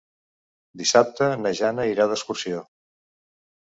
Dissabte na Jana irà d'excursió.